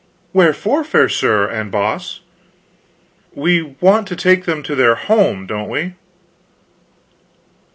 "Wherefore, fair sir and Boss?" "We want to take them to their home, don't we?"